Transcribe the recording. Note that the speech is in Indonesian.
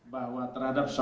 bahwa terhadap sosial